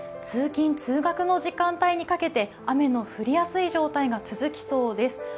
通勤・通学の時間帯にかけて雨の降りやすい状態が続きそうです。